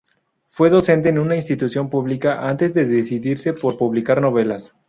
Fue docente en una institución pública antes de decidirse por publicar novelas.